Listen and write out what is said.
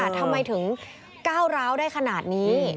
ทำไมถึงก้าวร้าวได้ขนาดนี้